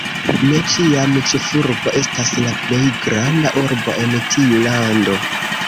Ne ĉiam ĉefurbo estas la plej granda urbo en tiu lando.